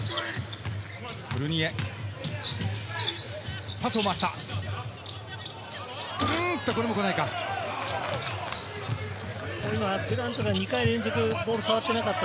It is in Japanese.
フルニエ、パスを回した。